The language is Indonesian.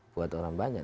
buat orang banyak